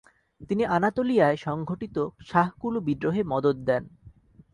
তিনি আনাতোলিয়ায় সংঘটিত শাহকুলু বিদ্রোহে মদদ দেন।